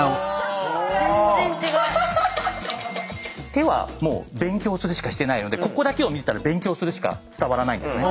手はもう勉強するしかしてないのでここだけを見てたら勉強するしか伝わらないんですね。